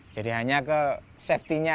jadi hanya ke safety nya